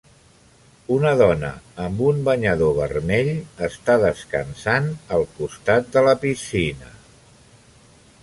Una dona amb un banyador vermell està descansant al costat de la piscina.